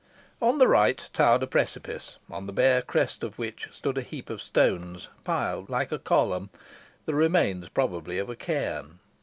On the right towered a precipice, on the bare crest of which stood a heap of stones piled like a column the remains, probably, of a cairn.